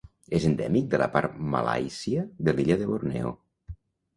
És endèmic de la part malàisia de l'illa de Borneo.